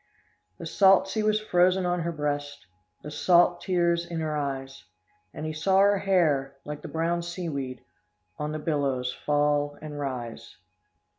The salt sea was frozen on her breast, The salt tears in her eyes. And he saw her hair, like the brown seaweed, On the billows fall and rise."